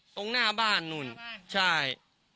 ตรงหน้าบ้านนู่นใช่